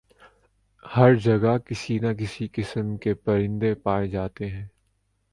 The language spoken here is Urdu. ہر جگہ کسی نہ کسی قسم کے پرندے پائے جاتے ہیں